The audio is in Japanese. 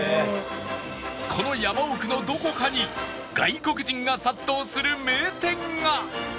この山奥のどこかに外国人が殺到する名店が！